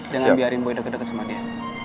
jangan biarin bui deket deket sama dia